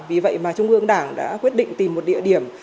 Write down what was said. vì vậy mà trung ương đảng đã quyết định tìm một địa điểm